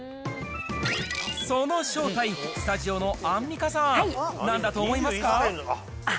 その正体、スタジオのアンミカさん、なんだと思いますか？